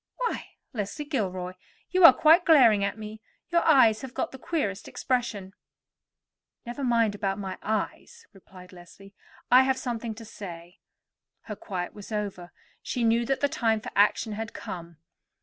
Why, Leslie Gilroy, you are quite glaring at me; your eyes have got the queerest expression." "Never mind about my eyes," replied Leslie. "I have something to say." Her quiet was over; she knew that the time for action had come.